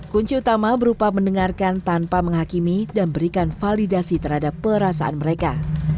kunci utama berupa mendengarkan tanpa menghakimi dan berikan validasi terhadap perasaan mereka